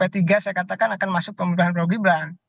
nah termasuk p tiga saya katakan akan masuk pemerintahan prabowo gibrang